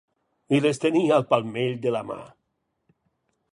I les tenia al palmell de la mà.